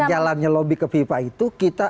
jalannya lobby ke fifa itu kita